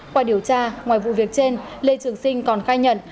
qua điều tra ngoài vụ việc trên lê trường sinh còn khai nhận